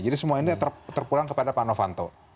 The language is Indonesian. jadi semua ini terpulang kepada pak novanto